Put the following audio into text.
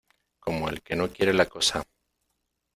como el que no quiere la cosa.